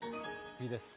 次です。